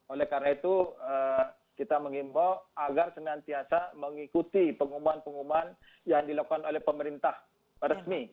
oleh karena itu kita mengimbau agar senantiasa mengikuti pengumuman pengumuman yang dilakukan oleh pemerintah resmi